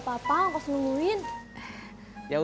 kan dosen ya